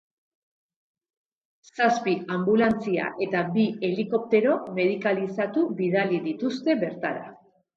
Zazpi anbulantzia eta bi helikoptero medikalizatu bidali dituzte bertara.